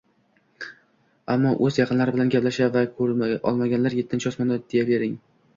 Ammo o`z yaqinlari bilan gaplasha va ko`ra olganlar ettinchi osmonda deyavering